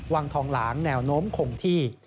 วังทองหลางแนวโน้มคงที่